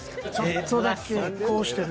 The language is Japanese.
ちょっとだけこうしてる。